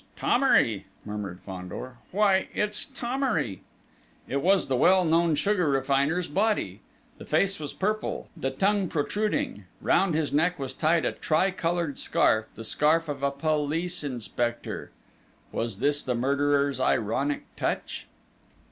"Thomery!" murmured Fandor. "Why, it's Thomery!" It was the well known sugar refiner's body. The face was purple, the tongue protruding. Round his neck was tied a tricoloured scarf, the scarf of a police inspector! Was this the murderer's ironic touch?